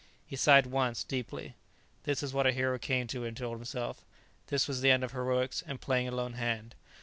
He sighed once, deeply. This was what a hero came to, he told himself. This was the end of heroics and playing a lone hand.